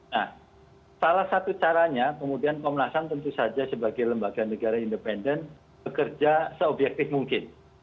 nah salah satu caranya kemudian komnas ham tentu saja sebagai lembaga negara independen bekerja seobjektif mungkin